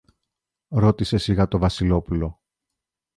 ρώτησε σιγά το Βασιλόπουλο